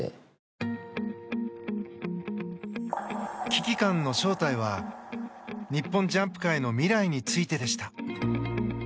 危機感の正体は日本ジャンプ界の未来についてでした。